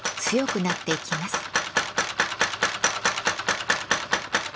強くなっていきます。